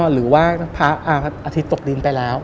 หรือว่าพระอาทิตย์ตกดินไปแล้ว